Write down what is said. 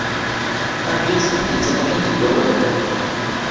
Argaz, d win yettaṭṭafen deg wawal-